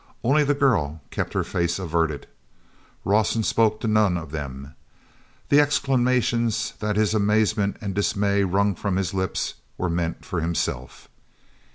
Only the girl kept her face averted. Rawson spoke to none of them; the exclamations that his amazement and dismay wrung from his lips were meant for himself.